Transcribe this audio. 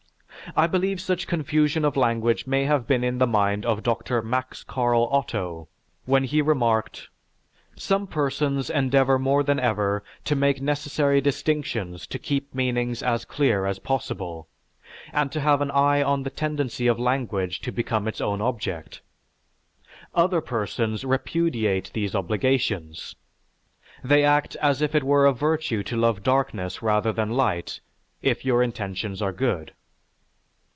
I believe such confusion of language may have been in the mind of Dr. M. C. Otto when he remarked: "Some persons endeavor more than ever to make necessary distinctions to keep meanings as clear as possible; and to have an eye on the tendency of language to become its own object. Other persons repudiate these obligations. They act as if it were a virtue to love darkness rather than light if your intentions are good.